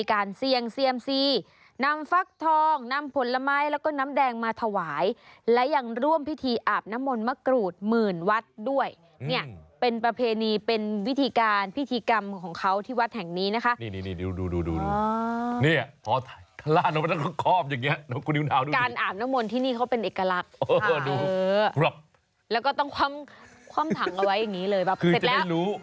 อาบน้ำมนต์มากรูดหมื่นวัดด้วยเนี่ยเป็นประเพณีเป็นวิธีการพิธีกรรมของเขาที่วัดแห่งนี้นะคะนี่นี่นี่ดูดูดูดูนี่อ๋อถ่ายข้อมอย่างเงี้ยน้องกูนิ้วนาวดูดิการอาบน้ำมนต์ที่นี่เขาเป็นเอกลักษณ์ค่ะเออดูครับแล้วก็ต้องคว่ำคว่ำถังเอาไว้อย่างงี้เลยแบบเสร็จแล้ว